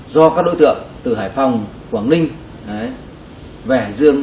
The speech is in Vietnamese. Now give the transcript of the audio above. do các đối tượng từ hải phòng quảng ninh về hải dương